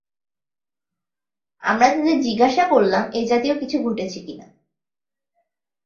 আমরা তাদের জিজ্ঞাসা করলাম এ জাতীয় কিছু ঘটেছে কিনা।